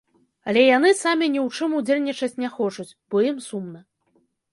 Але яны самі ні ў чым удзельнічаць не хочуць, бо ім сумна.